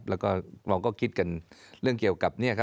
แล้วก็เราก็คิดกันเรื่องเกี่ยวกับ